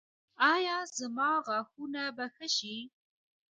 ایا زما غاښونه به ښه شي؟